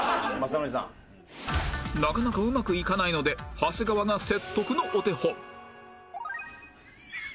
なかなかうまくいかないので長谷川が説得のお手本